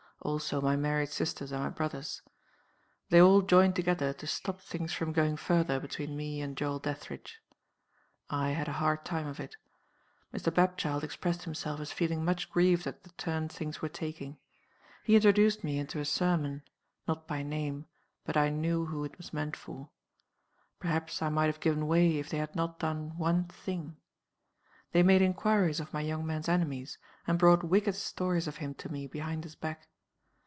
Also my married sisters and my brothers. They all joined together to stop things from going further between me and Joel Dethridge. I had a hard time of it. Mr. Bapchild expressed himself as feeling much grieved at the turn things were taking. He introduced me into a sermon not by name, but I knew who it was meant for. Perhaps I might have given way if they had not done one thing. They made inquiries of my young man's enemies, and brought wicked stories of him to me behind his back.